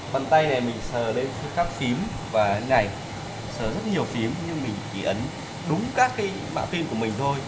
và anh này sở rất nhiều phím nhưng mình chỉ ấn đúng các cái mạng phim của mình thôi